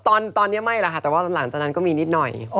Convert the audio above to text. ตอนนี้ไม่แล้วค่ะแต่ว่าหลังจากนั้นก็มีนิดหน่อย